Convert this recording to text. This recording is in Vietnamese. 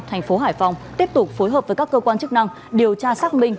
thành phố hải phòng tiếp tục phối hợp với các cơ quan chức năng điều tra xác minh